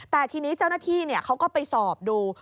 แต่ทีนี้เจ้าหน้าที่เขาก็ไปสอบดู